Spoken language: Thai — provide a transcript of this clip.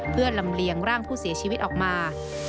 เพื่อลำเลียงร่างผู้เสียชีวิตออกมา